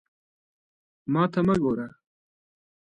ما ته مه ګوره!